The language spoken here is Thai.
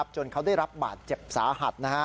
จนเขาได้รับบาดเจ็บสาหัส